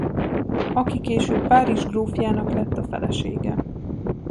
Aki később Párizs grófjának lett a felesége.